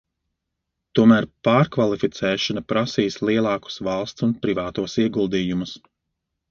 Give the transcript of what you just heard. Tomēr pārkvalificēšana prasīs lielākus valsts un privātos ieguldījumus.